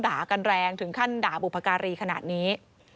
ด่ากันแรงถึงขั้นด่าบุพการีขนาดนี้